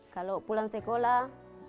kalau pulang sekolah